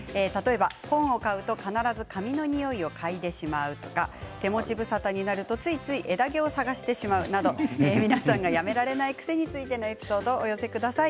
本を買うと必ず紙のにおいを嗅いでしまうとか手持ち無沙汰になるとついつい枝毛を探してしまうとか皆さんがやめられない癖についてのエピソードをお寄せください。